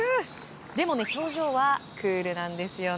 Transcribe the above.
でも、表情はクールなんですよね。